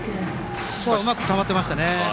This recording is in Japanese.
うまくたまっていましたね。